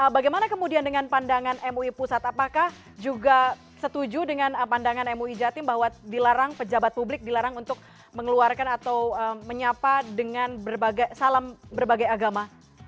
bagaimana kemudian dengan pandangan mui pusat apakah juga setuju dengan pandangan mui jatim bahwa dilarang pejabat publik dilarang untuk mengeluarkan atau menyapa dengan berbagai salam berbagai agama